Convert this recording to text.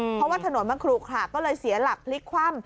เพราะว่าถนนมันขลุขระก็เลยเสียหลักพลิกคว่ำ